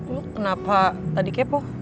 lo kenapa tadi kepo